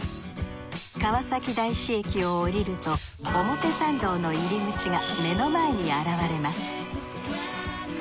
川崎大師駅を降りると表参道の入り口が目の前に現れます